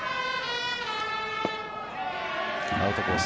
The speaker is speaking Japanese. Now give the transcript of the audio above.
アウトコース